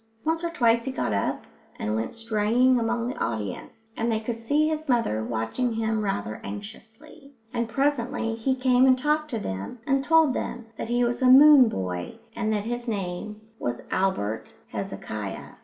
Once or twice he got up and went straying among the audience, and they could see his mother watching him rather anxiously; and presently he came and talked to them and told them that he was a moon boy and that his name was Albert Hezekiah.